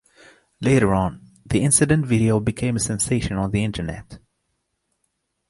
Later on, the incident video became a sensation on the Internet.